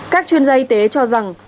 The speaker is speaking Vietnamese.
các chuyên gia y tế cho rằng